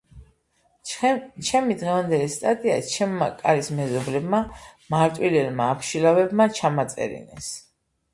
ჩემი დღევანდელი სტატია ჩემმა კარის მეზობლებმა, მარტვილელმა აბშილავებმა ჩამაწერინეს.